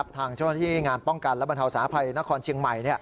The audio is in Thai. ทางช่วงที่งานป้องกันระบันเถาสาภัยนครเชียงใหม่